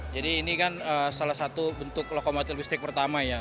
jadi ini kan salah satu bentuk lokomotif listrik pertama ya